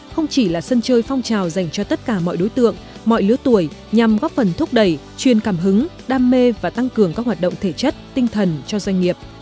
không chỉ là sân chơi phong trào dành cho tất cả mọi đối tượng mọi lứa tuổi nhằm góp phần thúc đẩy chuyên cảm hứng đam mê và tăng cường các hoạt động thể chất tinh thần cho doanh nghiệp